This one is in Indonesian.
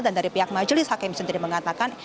dan dari pihak majelis hakim sendiri mengatakan